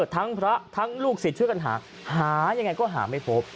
ทั้งพระทั้งลูกศิษย์ช่วยกันหาหายังไงก็หาไม่พบ